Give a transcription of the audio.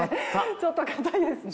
ちょっとかたいですね